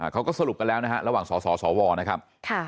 เขาก็สรุปกันแล้วนะฮะระหว่างสสวนะครับ